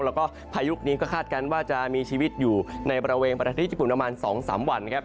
แล้วก็พายุนี้ก็คาดการณ์ว่าจะมีชีวิตอยู่ในบริเวณประเทศญี่ปุ่นประมาณ๒๓วันครับ